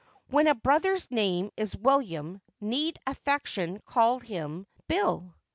"When a brother's name is "William, need affection call him Bill!